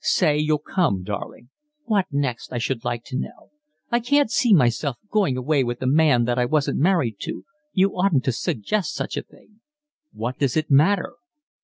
Say you'll come, darling." "What next, I should like to know. I can't see myself going away with a man that I wasn't married to. You oughtn't to suggest such a thing." "What does it matter?"